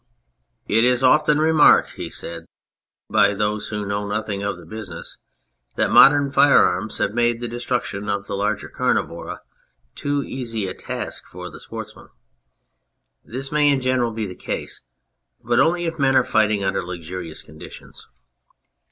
" It is often remarked," he said, " by those who know nothing of the business, that modern firearms have made the destruction of the larger carnivora too easy a task for the sportsman. This may in general be the case, but only if men are fighting under luxurious conditions.